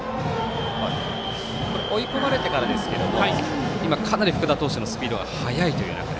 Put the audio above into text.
追い込まれてからですけれどもかなり福田投手のスピードが速いという中で。